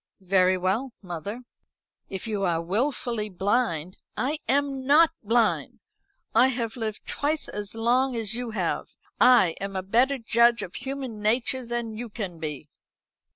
"Very well, mother. If you are wilfully blind " "I am not blind. I have lived twice as long as you have. I am a better judge of human nature than you can be."